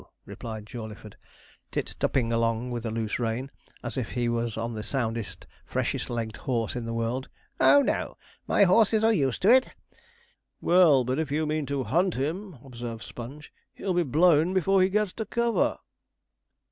replied Jawleyford, tit tup ing along with a loose rein, as if he was on the soundest, freshest legged horse in the world; 'oh no! my horses are used to it.' 'Well, but if you mean to hunt him,' observed Sponge, 'he'll be blown before he gets to cover.'